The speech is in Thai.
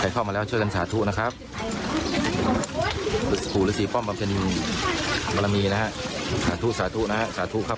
เข้ามาแล้วสาธุครับ